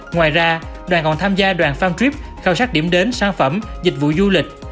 ngoài ra đoàn còn tham gia đoàn farm trip khảo sát điểm đến sản phẩm dịch vụ du lịch